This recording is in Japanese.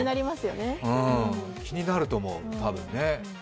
気になると思う、多分ね。